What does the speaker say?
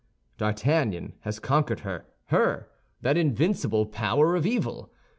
D'Artagnan has conquered her—her, that invincible power of evil.